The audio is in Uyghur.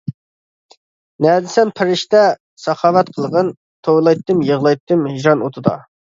نەدىسەن پەرىشتە ساخاۋەت قىلغىن، توۋلايتتىم، يىغلايتتىم ھىجران ئوتىدا.